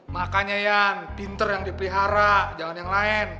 makanya yan pinter yang dipelihara jangan yang lain